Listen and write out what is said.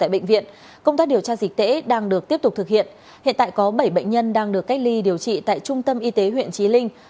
bảy bệnh nhân đang được cách ly điều trị tại trung tâm y tế huyện trí linh